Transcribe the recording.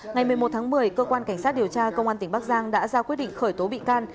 ngày một mươi một tháng một mươi cơ quan cảnh sát điều tra công an tỉnh bắc giang đã ra quyết định khởi tố bị can